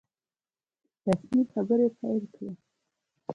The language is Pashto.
رسمي خبري پیل کړې.